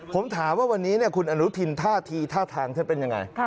ผมถามว่าวันนี้คุณอนุทินท่าทีท่าทางท่านเป็นยังไง